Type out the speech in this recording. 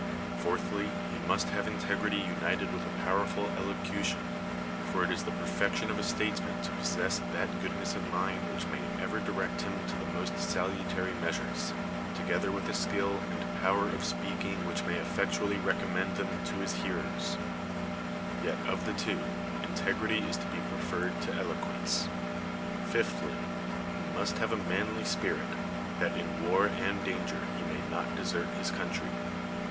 Fourthly, he must have integrity united with a powerful elocution ; for it is the perfection of a statesman to possess that good ness of mind which may ever direct him to the most salutary measures, together with a skill and power of speaking which may effectually re commend them to his hearers ; yet, of the two, integrity is to be preferred to eloquence. Fifth ly, he must have a manly spirit, that in war and danger he may not desert his country.